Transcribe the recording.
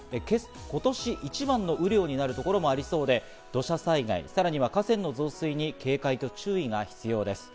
今年一番の雨量になるところもありそうで、土砂災害、さらには河川の増水に警戒と注意が必要です。